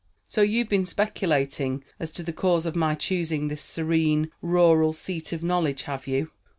"So you've been speculating as to the cause of my choosing this serene, rural seat of knowledge, have you?